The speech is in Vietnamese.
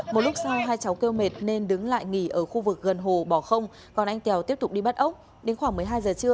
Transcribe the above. một lúc sau hai cháu kêu mệt nên đứng lại nghỉ ở khu vực gần hồ bỏ không còn anh tèo tiếp tục đi bắt ốc